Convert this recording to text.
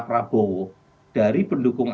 prabowo dari pendukung